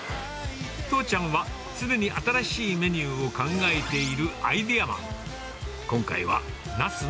父ちゃんは常に新しいメニューを考えているアイデアマン。